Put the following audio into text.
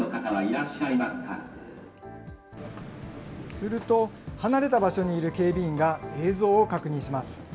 すると、離れた場所にいる警備員が映像を確認します。